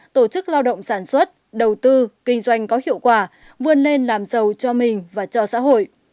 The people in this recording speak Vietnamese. tổ chức lao động sản xuất đầu tư kinh doanh có hiệu quả vươn lên làm giàu cho mình và cho xã hội